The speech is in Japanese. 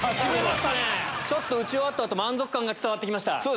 打ち終わった後満足感が伝わって来ました。